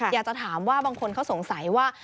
อยากจะถามว่าบางคนเขาสงสัยว่า